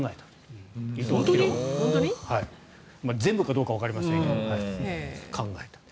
全部かどうかはわかりませんが考えたと。